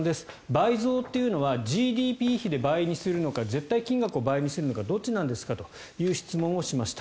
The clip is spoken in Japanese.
倍増というのはＧＤＰ比で倍にするのか絶対金額を倍にするのかどっちなんですかという質問をしました。